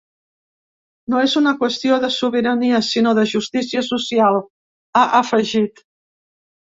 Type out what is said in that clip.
No és una qüestió de sobirania, sinó de justícia social, ha afegit.